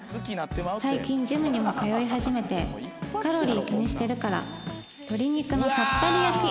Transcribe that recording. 最近ジムにも通い始めてカロリー気にしてるから鶏肉のさっぱり焼き